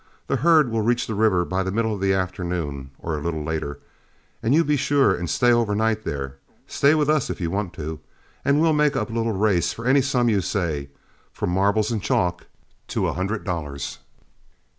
The herd will reach the river by the middle of the afternoon, or a little later, and you be sure and stay overnight there, stay with us if you want to, and we'll make up a little race for any sum you say, from marbles and chalk to a hundred dollars.